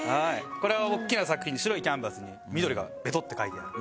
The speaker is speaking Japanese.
これは大きな作品で白いキャンバスに緑がベトッて描いてある。